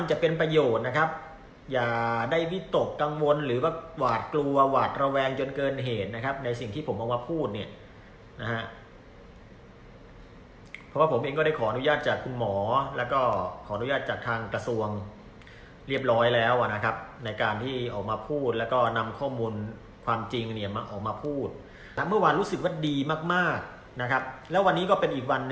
จะเป็นประโยชน์นะครับอย่าได้วิตกกังวลหรือว่าหวาดกลัวหวาดระแวงจนเกินเหตุนะครับในสิ่งที่ผมเอามาพูดเนี่ยนะฮะเพราะว่าผมเองก็ได้ขออนุญาตจากคุณหมอแล้วก็ขออนุญาตจากทางกระทรวงเรียบร้อยแล้วนะครับในการที่ออกมาพูดแล้วก็นำข้อมูลความจริงเนี่ยมาออกมาพูดนะเมื่อวานรู้สึกว่าดีมากมากนะครับแล้ววันนี้ก็เป็นอีกวัน